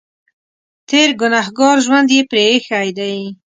تېر ګنهګار ژوند یې پرې اېښی دی.